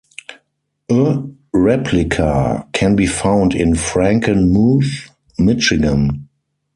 A replica can be found in Frankenmuth, Michigan.